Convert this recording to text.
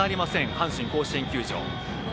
阪神甲子園球場。